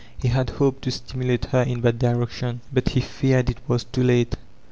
He had hoped to stimulate her m that direction, but he feared it was too late.